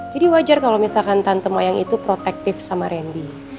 jadi wajar kalau misalkan tante mayang itu protektif sama randy